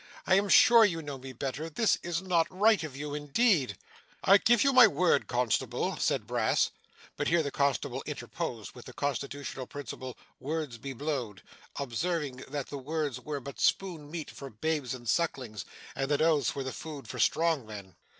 I am sure you know me better. This is not right of you, indeed.' 'I give you my word, constable ' said Brass. But here the constable interposed with the constitutional principle 'words be blowed;' observing that words were but spoon meat for babes and sucklings, and that oaths were the food for strong men.